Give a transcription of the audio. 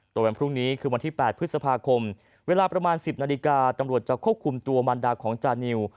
โดยวันพรุ่งนี้คือวันที่๘พฤษภาคมเวลาประมาณ๑๐นาฬิกาตำรวจจะควบคุมตัวมันดาของจานิว